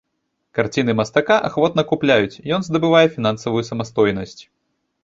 Карціны мастака ахвотна купляюць, ён здабывае фінансавую самастойнасць.